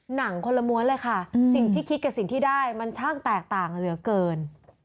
หนังคนละม้วนเลยค่ะสิ่งที่คิดกับสิ่งที่ได้มันช่างแตกต่างเหลือเกิน